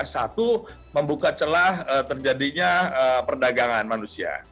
satu membuka celah terjadinya perdagangan manusia